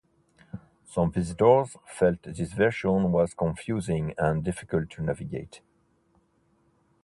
Some visitors felt this version was confusing and difficult to navigate.